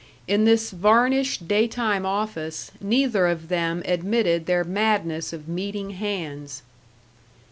In this varnished, daytime office neither of them admitted their madness of meeting hands.